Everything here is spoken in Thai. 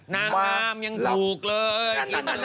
นางงามยังถูกเลย